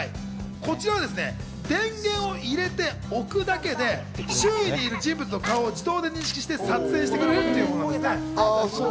こちらは電源を入れておくだけで周囲にいる人物の顔を自動で認識して撮影してくれるというものですね。